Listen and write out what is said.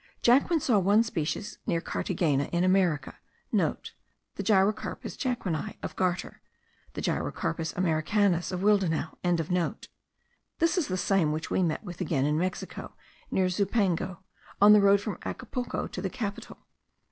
Jacquin saw one species near Carthagena in America.* (* The Gyrocarpus Jacquini of Gartner, or Gyrocarpus americanus of Willdenouw.) This is the same which we met with again in Mexico, near Zumpango, on the road from Acapulco to the capital.